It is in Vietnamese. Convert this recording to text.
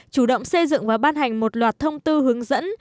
chủ động xây dựng và ban hành một loạt thông tư hướng dẫn